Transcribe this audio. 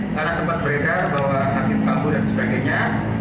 karena sempat beredar bahwa habib pabu dan sebagainya